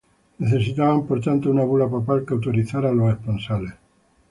Necesitaban, por tanto, una bula papal que autorizara los esponsales.